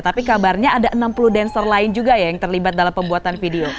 tapi kabarnya ada enam puluh dancer lain juga ya yang terlibat dalam pembuatan video